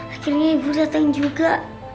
akhirnya ibu datang juga